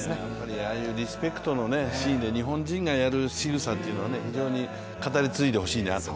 ああいうリスペクトのシーンで日本人がやるしぐさっていうのは非常に語り継いでほしいなと。